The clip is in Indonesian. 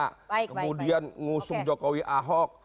kemudian ngusung jokowi ahok